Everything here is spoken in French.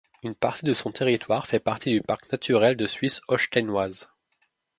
Une partie de son territoire fait partie du parc naturel de Suisse holsteinoise.